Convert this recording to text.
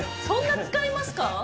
そんな使いますか？